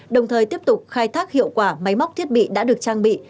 đồng thời tiếp tục khai thác hiệu quả máy móc thiết bị đã được trang bị